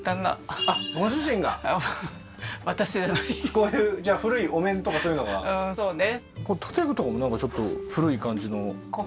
こういうじゃあ古いお面とかそういうのがうんそうね